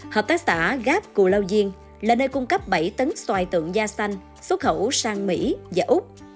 hợp tác xã gap cù lao diên là nơi cung cấp bảy tấn xoài tượng da xanh xuất khẩu sang mỹ và úc